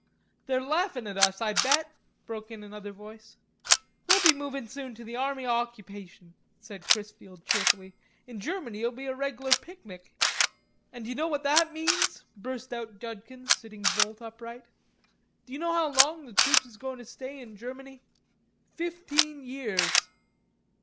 "They're laughin' at us, I bet," broke in another voice. "We'll be movin' soon to the Army o' Occupation," said Chrisfield cheerfully. "In Germany it'll be a reglar picnic." "An' d'you know what that means?" burst out Judkins, sitting bolt upright. "D'you know how long the troops is goin' to stay in Germany? Fifteen years."